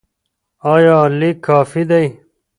ایا لیک کافي دی؟